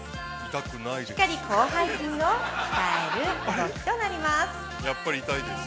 しっかり広背筋を鍛える動きとなります。